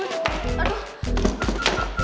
aduh apa itu ini tuh